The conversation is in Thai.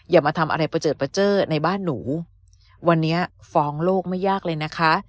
อย่ามาทำอะไรประเจิดประเจอในบ้านหนูวันนี้ฟ้องโลกไม่ยากเลยนะคะ